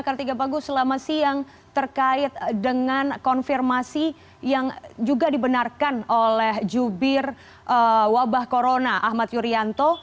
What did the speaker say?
kartiga bagus selama siang terkait dengan konfirmasi yang juga dibenarkan oleh jubir wabah corona ahmad yuryanto